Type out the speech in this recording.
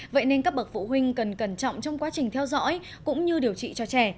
vậy nên các bậc phụ huynh cần cẩn trọng trong quá trình theo dõi cũng như điều trị cho trẻ